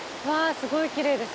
すごいきれいです